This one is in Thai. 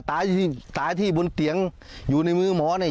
ตายที่บนเตียงอยู่ในมือหมอเนี่ย